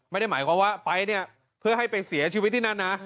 ไม่ได้หมายความว่าไปเนี่ยเพื่อให้ไปเสียชีวิตที่นั่นนะ